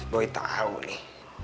bu tahu nih